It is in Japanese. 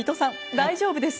大丈夫です。